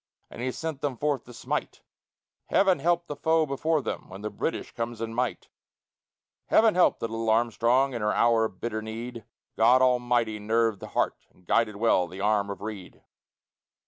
and he sent them forth to smite. Heaven help the foe before him when the Briton comes in might! Heaven helped the little Armstrong in her hour of bitter need; God Almighty nerved the heart and guided well the arm of Reid.